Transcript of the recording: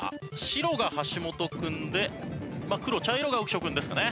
白が橋本君で黒茶色が浮所君ですかね。